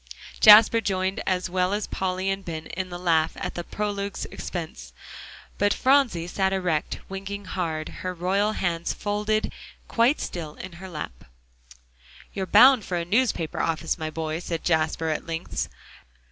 Jasper joined as well as Polly and Ben in the laugh at the prologue's expense, but Phronsie sat erect winking hard, her royal hands folded quite still in her lap. "You're bound for a newspaper office, my boy," said Jasper at length.